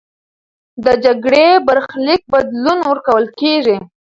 د جګړې برخلیک بدلون ورکول کېږي.